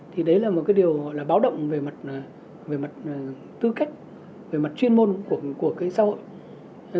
thì đấy là một cái điều gọi là báo động về mặt tư kết về mặt chuyên môn của cái xã hội